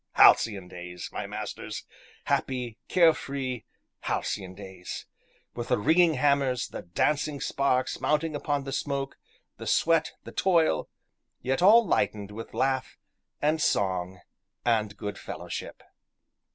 Halcyon days! my masters, happy, care free, halcyon days! with the ringing hammers, the dancing sparks mounting upon the smoke, the sweat, the toil, yet all lightened with laugh and song and good fellowship.